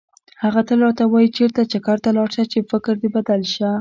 هغه تل راته وایي چېرته چکر ته لاړ شه چې فکر بدل شي.